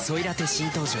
新登場